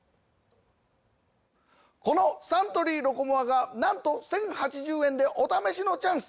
このサントリー「ロコモア」がなんと１，０８０円でお試しのチャンス！